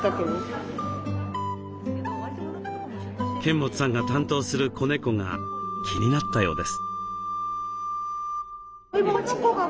剱持さんが担当する子猫が気になったようです。